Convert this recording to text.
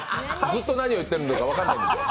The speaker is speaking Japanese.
ずっと何言ってるか分からないですよ。